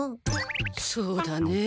そうだね。